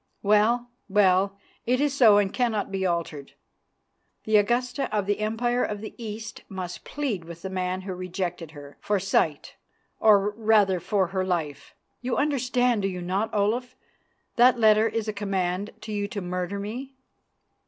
Well, well, it is so and cannot be altered. The Augusta of the Empire of the East must plead with the man who rejected her, for sight, or rather for her life. You understand, do you not, Olaf, that letter is a command to you to murder me?"